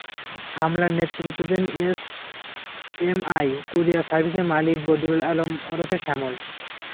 হামলার নেতৃত্ব দেন এসএমআই কুরিয়ার সার্ভিসের মালিক বদরুল আলম ওরফে শ্যামল।